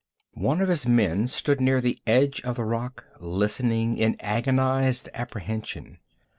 One of his men stood near the edge of the rock, listening in agonized apprehension.